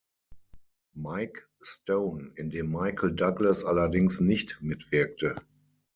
Mike Stone, in dem Michael Douglas allerdings nicht mitwirkte.